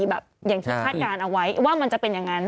อย่างที่คาดการณ์เอาไว้ว่ามันจะเป็นอย่างนั้น